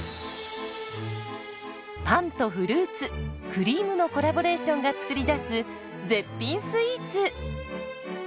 パンとフルーツクリームのコラボレーションが作り出す絶品スイーツ。